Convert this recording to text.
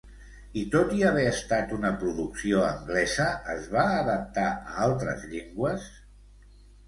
I tot i haver estat una producció anglesa, es va adaptar a altres llengües?